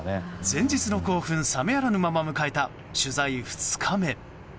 前日の興奮冷めやらぬまま迎えた取材２日目。